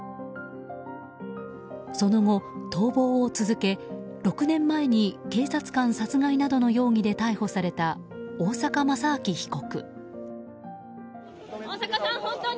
その後、逃亡を続け６年前に警察官殺害などの容疑で逮捕された大坂正明被告。